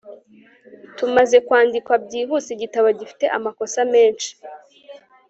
tumaze kwandikwa byihuse, igitabo gifite amakosa menshi